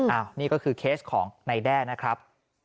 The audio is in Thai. อ้าวนี่ก็คือเคสของในแด้นะครับ